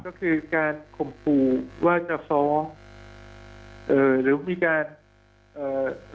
ก็คือการข่มขู่ว่าจะฟ้องเอ่อหรือมีการเอ่อ